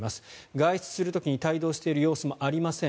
外出する時に帯同している様子もありません。